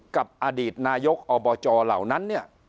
กับอดีตนายกอบจเหล่านั้น